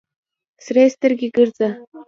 سرې سترګې ګرځه.